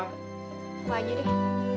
apa aja deh